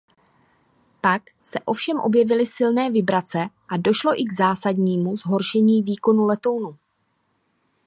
Pak se ovšem objevily silné vibrace a došlo i k zásadnímu zhoršení výkonů letounu.